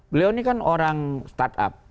beliau ini kan orang start up